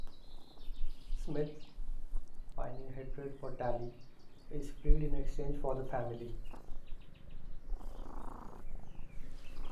Smith, feigning hatred for Talley, is freed in exchange for the family.